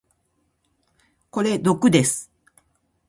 これ毒です。